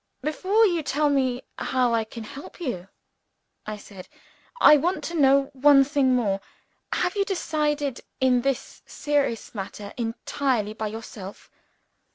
"Before you tell me how I can help you," I said, "I want to know one thing more. Have you decided in this serious matter entirely by yourself?